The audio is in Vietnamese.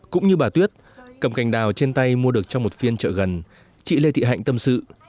cũng như bà tuyết cầm cành đào trên tay mua được trong một phiên chợ gần chị lê thị hạnh tâm sự